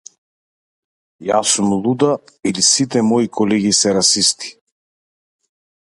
Јас сум луда или сите мои колеги се расисти?